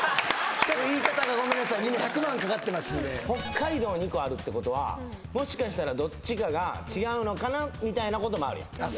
みんな１００万かかってますんで北海道２個あるってことはもしかしたらどっちかが違うのかなみたいなこともあるやん